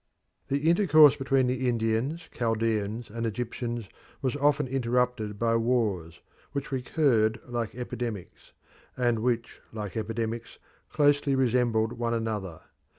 The intercourse between the Indians, Chaldeans, and Egyptians was often interrupted by wars, which recurred like epidemics, and which like epidemics closely resembled one another.